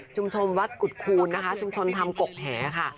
ชมวัดกุฎคูณนะคะชุมชนธรรมกกแหค่ะ